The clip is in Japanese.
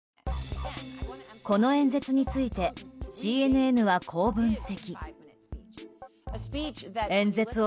この演説についてＣＮＮはこう分析。